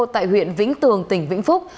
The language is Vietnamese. tại huyện vĩnh tường tỉnh vĩnh phúc